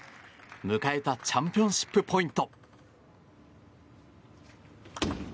迎えたチャンピオンシップポイント。